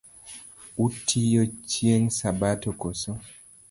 Utiyo chieng’ sabato koso?